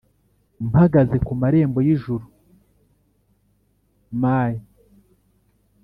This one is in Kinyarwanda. mpagaze ku marembo y'ijuru, my